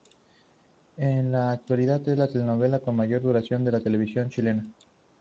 En la actualidad, es la telenovela con mayor duración de la televisión chilena.